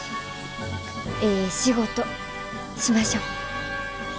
ええ仕事しましょう！